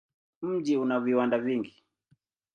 Mji una viwanda vingi.